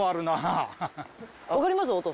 わかります？